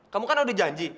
kamu kan udah janji